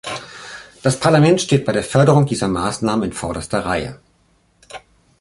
Das Parlament steht bei der Förderung dieser Maßnahmen in vorderster Reihe.